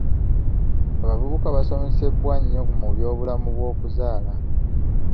Abavubuka basoomozebwa nnyo mu by'obulamu bw'okuzaala.